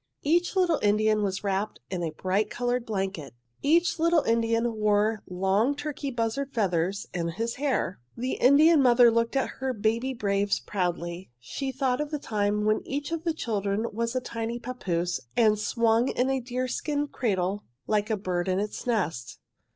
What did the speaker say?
"Each little Indian was wrapped in a bright coloured blanket. Each little Indian wore long turkey buzzard feathers in his hair. "The Indian mother looked at her baby braves proudly. She thought of the time when each of the children was a tiny papoose and swung in a deerskin cradle like a bird in its nest.